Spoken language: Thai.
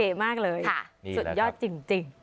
มากเลยสุดยอดจริง